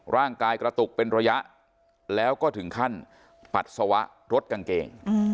กระตุกเป็นระยะแล้วก็ถึงขั้นปัสสาวะรถกางเกง